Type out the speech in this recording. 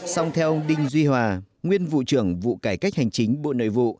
song theo ông đinh duy hòa nguyên vụ trưởng vụ cải cách hành chính bộ nội vụ